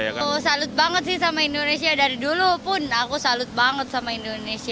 aduh salut banget sih sama indonesia dari dulu pun aku salut banget sama indonesia